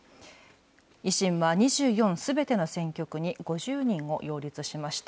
維新は２４すべての選挙区に５０人を擁立しました。